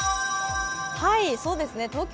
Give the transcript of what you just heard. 東京・